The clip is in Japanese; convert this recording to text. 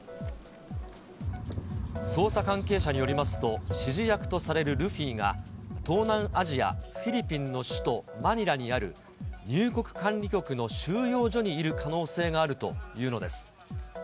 捜査関係者によりますと、指示役とされるルフィが、東南アジア、フィリピンの首都マニラにある入国管理局の収容所にいる可能性があるというのです。